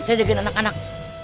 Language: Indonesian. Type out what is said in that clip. saya jagain anak anak